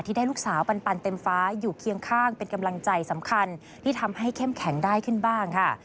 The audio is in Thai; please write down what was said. ได้ลูกสาวปันเต็มฟ้าอยู่เคียงข้างเป็นกำลังใจสำคัญที่ทำให้เข้มแข็งได้ขึ้นบ้างค่ะ